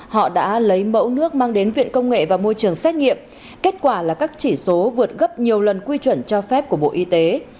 họ đã lấy mẫu nước mang đến viện công nghệ và môi trường xét nghiệm kết quả là các chỉ số vượt gấp nhiều lần quy chuẩn cho phép của bộ y tế